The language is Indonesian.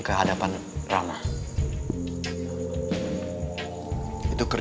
mendingan sama aku kan